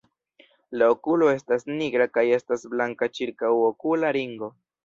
La okulo estas nigra kaj estas blanka ĉirkaŭokula ringo.